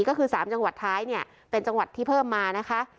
ก็คือ๓จังหวัดท้ายเนี่ยเป็นจังหวัดที่เพิ่มมานะคะ